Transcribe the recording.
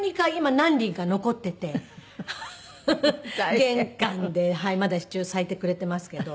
玄関でまだ一応咲いてくれてますけど。